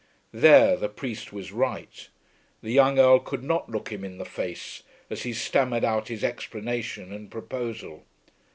There the priest was right. The young Earl could not look him in the face as he stammered out his explanation and proposal.